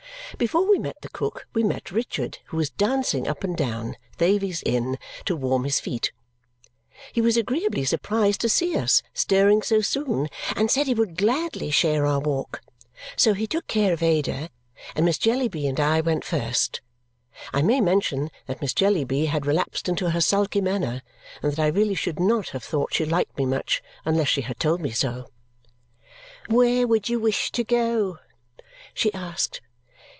But before we met the cook, we met Richard, who was dancing up and down Thavies Inn to warm his feet. He was agreeably surprised to see us stirring so soon and said he would gladly share our walk. So he took care of Ada, and Miss Jellyby and I went first. I may mention that Miss Jellyby had relapsed into her sulky manner and that I really should not have thought she liked me much unless she had told me so. "Where would you wish to go?" she asked.